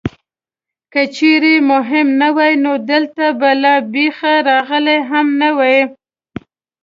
که چېرې مهم نه وای نو دلته به له بېخه راغلی هم نه وې.